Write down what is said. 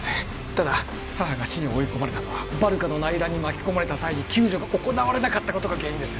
ただ母が死に追い込まれたのはバルカの内乱に巻き込まれた際に救助が行われなかったことが原因です